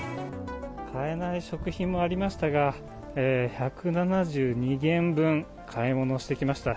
買えない食品もありましたが、１７２元分、買い物してきました。